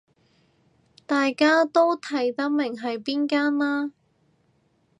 大家都睇得明係邊間啦